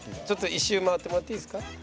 １周回ってもらっていいですか？